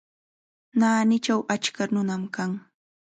Naanichaw achka nunam kan.